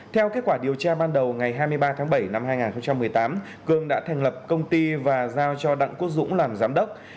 theo kết quả điều tra ban đầu ngày hai mươi ba tháng bảy năm hai nghìn một mươi tám cương đã thành lập công ty và giao cho đặng quốc dũng làm giám đốc